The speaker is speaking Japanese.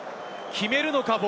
決めるのか？